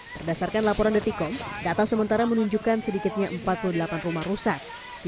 berdasarkan laporan detikom data sementara menunjukkan sedikitnya empat puluh delapan rumah rusak